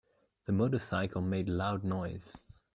The motorcycle made loud noise.